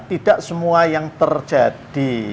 tidak semua yang terjadi